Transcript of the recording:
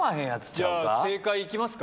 じゃあ正解行きますか？